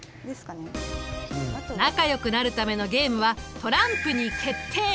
仲良くなるためのゲームはトランプに決定！